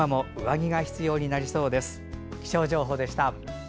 気象情報でした。